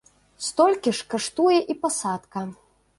Столькі ж каштуе і пасадка.